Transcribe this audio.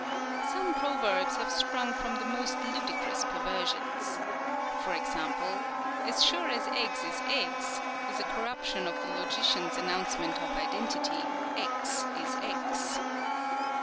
Some proverbs have sprung from the most ludicrous perversions. For example, " As sure as eggs is eggs " is a corruption of the logician's announcement of identity, " X is X."